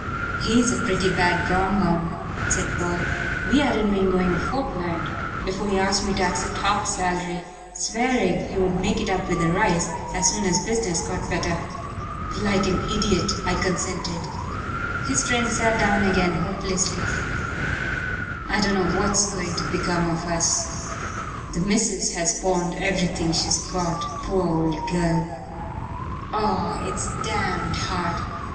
"He's a pretty bad wrong 'un," said Paul. "We hadn't been going a fortnight before he asked me to accept half salary, swearing he would make it up, with a rise, as soon as business got better. Like an idiot, I consented." His friend sat down again hopelessly. "I don't know what's going to become of us. The missus has pawned everything she has got, poor old girl! Oh, it's damned hard!